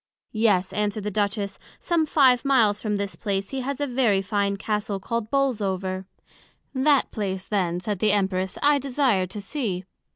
Yes, answered the Duchess, some five miles from this place he has a very fine Castle called Bolesover. That place, then, said the Empress, I desire to see.